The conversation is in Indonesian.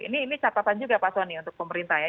ini catatan juga pak soni untuk pemerintah ya